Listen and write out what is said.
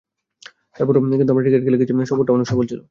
তার পরও কিন্তু আমরা ক্রিকেট খেলে গেছি, সফরটাও অনেক সফল ছিল।